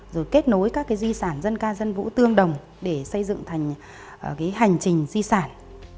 rồi kết nối các cái di sản dân ca dân vũ tương đồng để xây dựng thành hành trình di sản